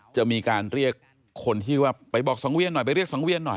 จะมีการเรียกคนที่ว่าไปบอกสังเวียนหน่อยไปเรียกสังเวียนหน่อย